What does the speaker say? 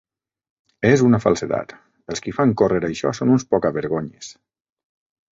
És una falsedat! Els qui fan córrer això són uns poca-vergonyes.